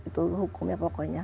itu hukumnya pokoknya